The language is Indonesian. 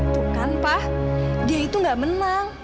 tuh kan pak dia itu gak menang